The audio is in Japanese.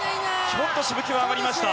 ちょっとしぶきが上がりました。